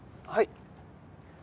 はい。